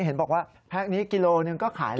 เห็นบอกว่าแพ็คนี้กิโลหนึ่งก็ขาย